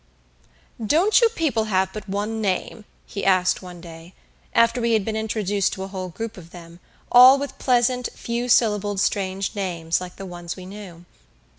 "Don't you people have but one name?" he asked one day, after we had been introduced to a whole group of them, all with pleasant, few syllabled strange names, like the ones we knew.